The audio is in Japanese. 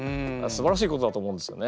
すばらしいことだと思うんですよね。